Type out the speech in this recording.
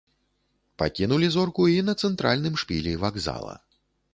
Пакінулі зорку і на цэнтральным шпілі вакзала.